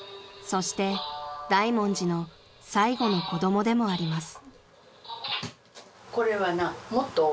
［そして大文字の最後の子供でもあります］